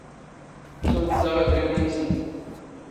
ⵜⵜⵓⵏⵜ ⴷⴰⵖ ⵉⴷⵔⵉⵎⵏ ⵏⵏⵙⵏⵜ.